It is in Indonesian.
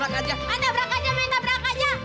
main tabrak aja main tabrak aja